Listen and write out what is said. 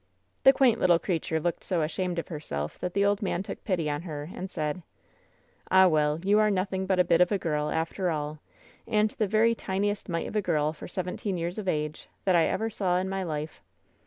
The quaint little creature looked so ashamed of her self that the old man took pity on her, and said: "Ah, well! you are nothing but a bit of a girl, after all, and the very tiniest mite of a girl, for seventeen years of age, that I ever saw in my life!